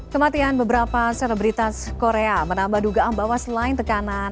kematian beberapa selebritas korea menambah dugaan bahwa selain tekanan